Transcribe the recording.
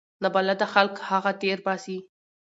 نابلده خلک هغه تیر باسي.